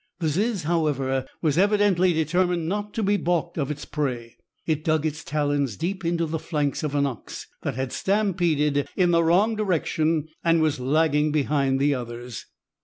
The ziz however, was evidently determined not to be balked of its prey. It dug its talons deep into the flanks of an ox that had stampeded in the wrong direction and was lagging behind the others.